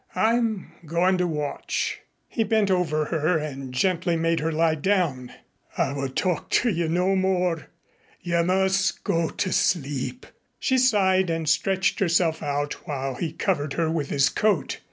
I'm going to watch." He bent over her and gently made her lie down. "I will talk to you no more. You must go to sleep." She sighed and stretched herself out while he covered her with his coat.